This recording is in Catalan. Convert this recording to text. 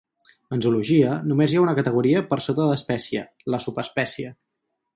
En zoologia només hi ha una categoria per sota del d'espècie, la subespècie.